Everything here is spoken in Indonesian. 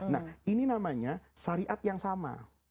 nah ini namanya syariat yang sama